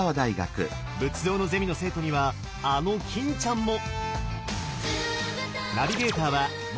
仏像のゼミの生徒にはあの欽ちゃんも！